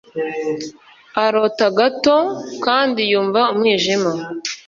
arota gato, kandi yumva umwijima